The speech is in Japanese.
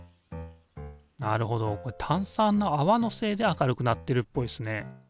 なるほどこれ炭酸のあわのせいで明るくなってるっぽいですね。